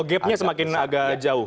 gap nya semakin agak jauh